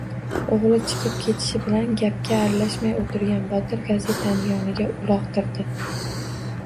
O`g`li chiqib ketishi bilan gapga aralashmay o`tirgan Botir gazetani yoniga uloqtirdi